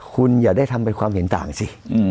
คุณอย่าได้ทำเป็นความเห็นต่างสิ